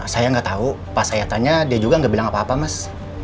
saya gak tau pas saya tanya dia juga gak bilang apa apa mas